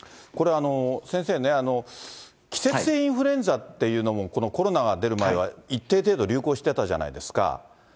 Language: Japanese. これ、先生ね、季節性インフルエンザっていうのもこのコロナが出る前は一定程度、流行してたじゃないですか。